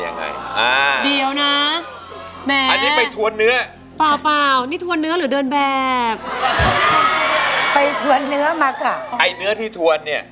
เนื้อที่ทวนเนี่ย